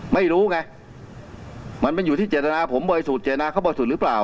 ไม่รู้ไงมันเป็นอยู่ที่เจตนาผมบ่อยสูตรเจตนาเขาบ่อยสูตรหรือเปล่า